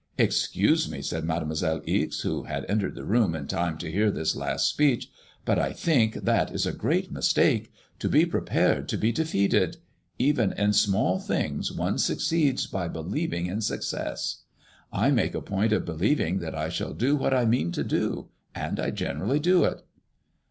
"Excuse me/' said Mademoi selle Ixe, who had entered the room in time to hear this last speech, "but I think that is a great mistake : to be prepared to be defeated. Even in small things one succeeds by believing in success. I make a point of believing that I shall do what I mean to do, and I generally do it."